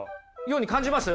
ように感じます？